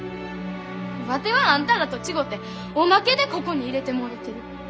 ワテはあんたらと違ておまけでここに入れてもろてる。